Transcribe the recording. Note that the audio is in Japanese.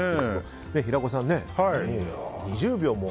平子さん、２０秒も。